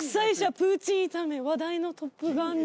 プーチン炒め話題のトップガン煮